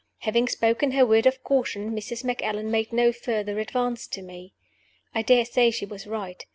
Having spoken her word of caution, Mrs. Macallan made no further advance to me. I dare say she was right.